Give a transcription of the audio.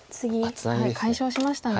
解消しましたね。